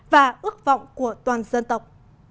và ước vọng của toàn dân tộc